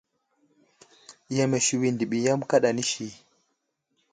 Yam asiwi ndiɓi yam kaɗa nəsi.